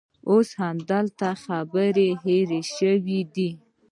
اوس همدا خبرې هېرې شوې دي.